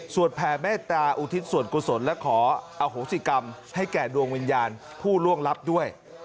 แผ่เมตตาอุทิศส่วนกุศลและขออโหสิกรรมให้แก่ดวงวิญญาณผู้ล่วงลับด้วย